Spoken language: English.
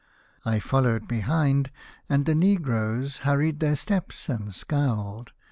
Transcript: I followed behind, and the negroes hurried their steps and scowled.